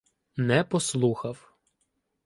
Не послухав.